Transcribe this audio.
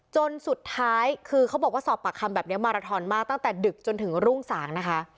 จนสุดท้ายคือเขาบอกว่าสอบปากคำแบบนี้มาราทอนมากตั้งแต่ดึกจนถึงรุ่งสางนะคะ